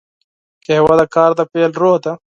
قهوه د کار د پیل روح ده